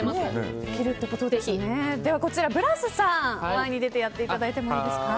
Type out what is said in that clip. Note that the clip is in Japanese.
ではブラスさん、前に出てやっていただいてもいいですか。